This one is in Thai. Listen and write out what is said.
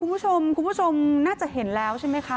คุณผู้ชมคุณผู้ชมน่าจะเห็นแล้วใช่ไหมคะ